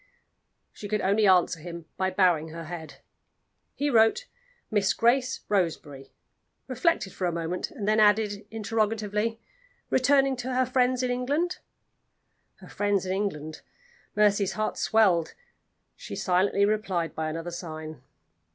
She could only answer him by bowing her head. He wrote: "Miss Grace Roseberry" reflected for a moment and then added, interrogatively, "Returning to her friends in England?" Her friends in England? Mercy's heart swelled: she silently replied by another sign.